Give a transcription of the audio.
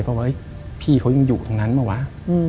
เพราะว่าพี่เขายังอยู่ตรงนั้นเหมือนกู